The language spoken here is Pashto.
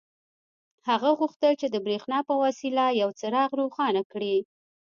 هغه غوښتل چې د برېښنا په وسیله یو څراغ روښانه کړي